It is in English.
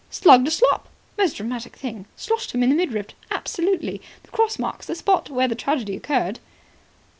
"Slugged a slop. Most dramatic thing. Sloshed him in the midriff. Absolutely. The cross marks the spot where the tragedy occurred."